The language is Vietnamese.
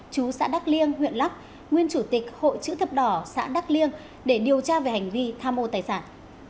chú xã đắk liêng huyện lắk nguyên chủ tịch hội chữ thập đỏ xã đắk liêng để điều tra về hành vi tham mô tài sản